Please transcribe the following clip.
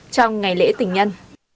trong ngày lễ tỉnh nhân